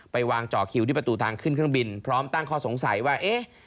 ไปวางเจาะคิวที่ประตูทางขึ้นเครื่องบินพร้อมตั้งข้อสงสัยว่าเอ๊ะ